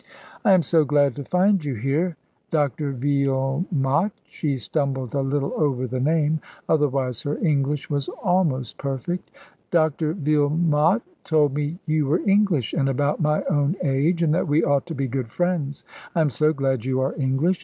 "I am so glad to find you here. Dr. Veelmot" she stumbled a little over the name, otherwise her English was almost perfect; "Dr. Vilmot told me you were English, and about my own age, and that we ought to be good friends. I am so glad you are English.